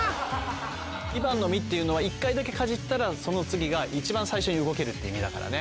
イバンのみっていうのは１回だけかじったらその次がいちばん最初に動けるっていうみだからね。